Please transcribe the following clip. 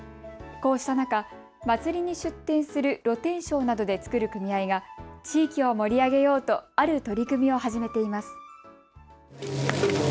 こうした中、祭りに出店する露天商などで作る組合が地域を盛り上げようとある取り組みを始めています。